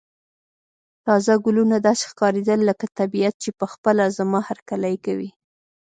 تازه ګلونه داسې ښکاریدل لکه طبیعت چې په خپله زما هرکلی کوي.